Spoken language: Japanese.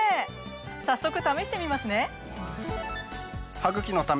早速試してみますね。